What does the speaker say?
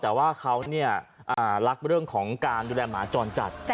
แต่ว่าเขารักเรื่องของการดูแลหมาจรจัด